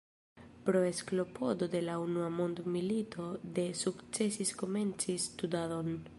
Pro eksplodo de la unua mondmilito ne sukcesis komenci studadon.